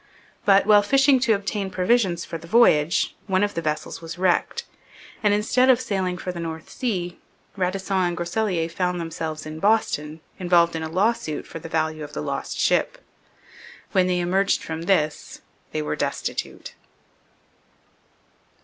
But, while fishing to obtain provisions for the voyage, one of the vessels was wrecked, and, instead of sailing for the North Sea, Radisson and Groseilliers found themselves in Boston involved in a lawsuit for the value of the lost ship. When they emerged from this they were destitute.